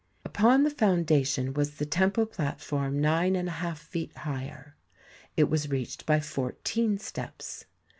Upon the foundation was the temple platform nine and a half feet higher ; it was reached by fourteen steps.